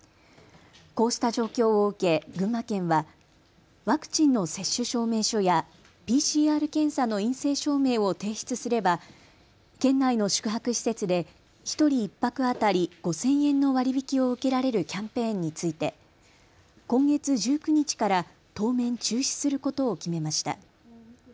こうした状況を受け、群馬県はワクチンの接種証明書やＰＣＲ検査の陰性証明を提出すれば県内の宿泊施設で１人１泊当たり５０００円の割り引きを受けられるキャンペーンについて今月１９日から当面中止することを決めました。